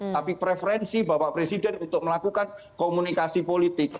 tapi preferensi bapak presiden untuk melakukan komunikasi politik